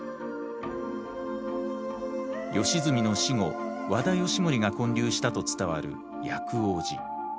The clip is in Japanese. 義澄の死後和田義盛が建立したと伝わる薬王寺。